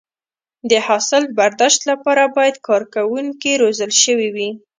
د حاصل برداشت لپاره باید کارکوونکي روزل شوي وي.